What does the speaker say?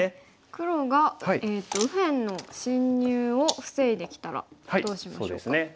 黒が右辺の侵入を防いできたらどうしましょうか？